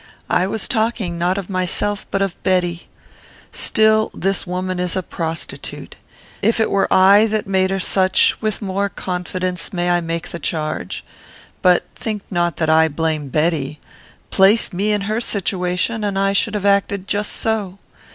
I was talking, not of myself, but of Betty. Still this woman is a prostitute. If it were I that made her such, with more confidence may I make the charge. But think not that I blame Betty. Place me in her situation, and I should have acted just so.